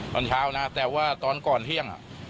ตอนเช้านะแต่ว่าตอนก่อนเที่ยง